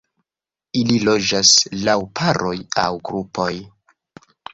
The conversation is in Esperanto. Ili loĝas laŭ paroj aŭ grupoj.